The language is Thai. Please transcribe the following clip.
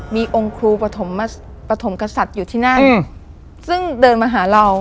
มีองค์ครูปฐมปฐมกษัตริย์อยู่ที่นั่นซึ่งเดินมาหาเรา